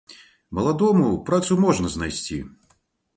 Маладому працу можна знайсці.